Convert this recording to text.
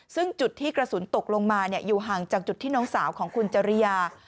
ซึ่งจุดที่กระสุนตกลงมาอยู่ห่างจากจุดที่น้องสาวของคุณจริยา